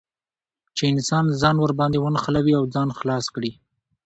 چې انسان ځان ور باندې ونښلوي او ځان خلاص کړي.